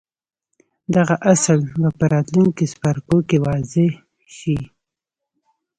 دغه اصل به په راتلونکو څپرکو کې واضح شي.